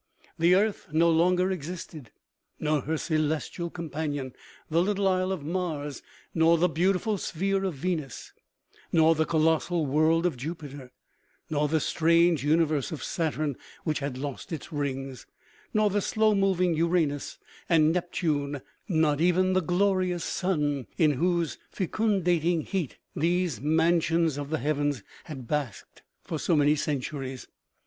The earth no longer existed, nor her celestial com panion, the little isle of Mars, nor the beautiful sphere of Venus, nor the colossal world of Jupiter, nor the strange universe of Saturn, which had lost its rings, nor the slow moving Uranus and Neptune not even the glorious sun, in whose fecundating heat these man sions of the heavens had basked for so many centuries.